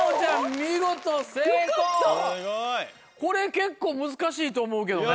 これ結構難しいと思うけどね。